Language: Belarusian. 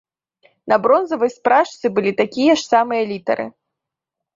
На бронзавай спражцы былі такія ж самыя літары.